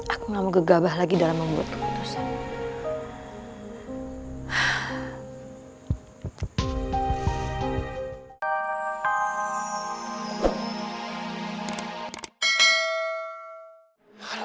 aku gak mau gegabah lagi dalam membuat keputusan